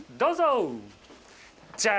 どうぞ。